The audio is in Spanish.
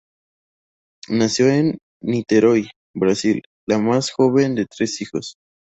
Nació en Niterói, Brasil, la más joven de tres hijos.